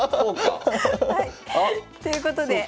ということでさあ